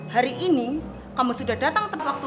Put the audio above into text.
hari ini kamu sudah datang tepat waktu